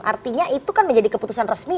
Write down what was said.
artinya itu kan menjadi keputusan resmi